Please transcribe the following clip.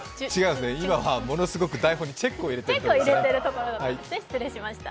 今はものすごく台本にチェックを入れていました。